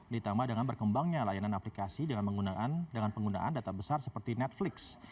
ditambah dengan berkembangnya layanan aplikasi dengan penggunaan data besar seperti netflix